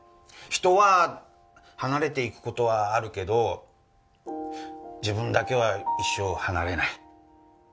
人は離れていく事はあるけど自分だけは一生離れない。